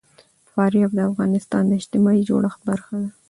فاریاب د افغانستان د اجتماعي جوړښت برخه ده.